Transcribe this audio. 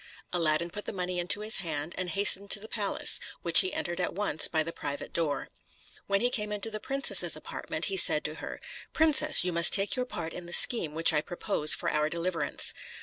Aladdin put the money into his hand, and hastened to the palace, which he entered at once by the private door. When he came into the princess's apartment, he said to her, "Princess, you must take your part in the scheme which I propose for our deliverance.